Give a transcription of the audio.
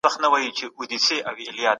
موږ تل د بشري حقونو ساتنه کړې ده.